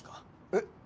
えっ？